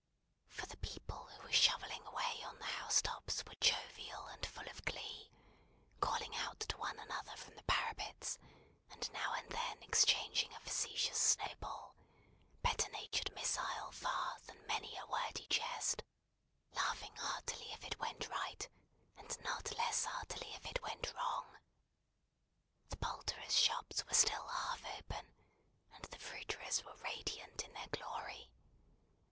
For, the people who were shovelling away on the housetops were jovial and full of glee; calling out to one another from the parapets, and now and then exchanging a facetious snowball better natured missile far than many a wordy jest laughing heartily if it went right and not less heartily if it went wrong. The poulterers' shops were still half open, and the fruiterers' were radiant in their glory.